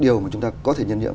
điều mà chúng ta có thể nhân hiệu